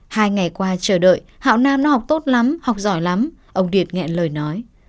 hai ngày qua chờ đợi hạo nam nó học tốt lắm học giỏi lắm ông điệt ngẹn lời nói